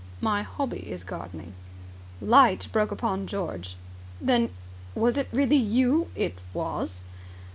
"My hobby is gardening." Light broke upon George. "Then was it really you ?" "It was!"